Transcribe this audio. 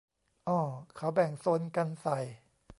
อ้อ เขาแบ่งโซนกันใส่